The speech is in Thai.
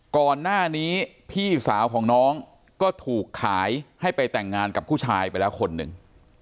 ก่อนหน้านี้พี่สาวของน้องก็ถูกขายให้ไปแต่งงานกับผู้ชายไปแล้วคนหนึ่ง